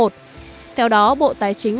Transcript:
theo đó bộ tài chính